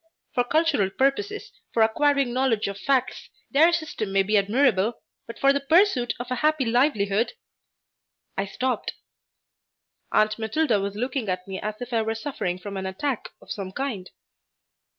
For cultural purposes, for acquiring knowledge of facts, their system may be admirable, but for the pursuit of a happy livelihood " I stopped. Aunt Matilda was looking at me as if I were suffering from an attack of some kind.